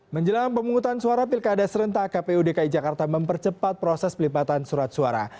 menjelang pemungutan suara pilkada serentak kpu dki jakarta mempercepat proses pelipatan surat suara